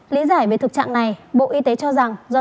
lý giải về thực trạng này bộ y tế cho rằng do